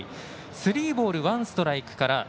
スリーボールワンストライク